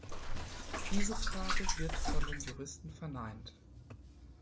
Diese Frage wird von den Juristen verneint.